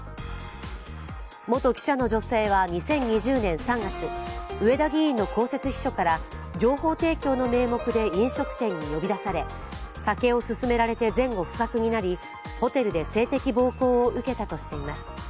元記者の女性は２０２０年３月、上田議員の公設秘書から情報提供の名目で飲食店に呼び出され酒を勧められて前後不覚になりホテルで性的暴行を受けたとしています。